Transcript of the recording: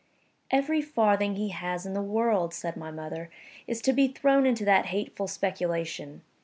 "Every farthing he has in the world," said my mother, "is to be thrown into that hateful speculation.